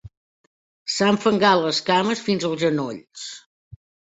S'ha enfangat les cames fins als genolls.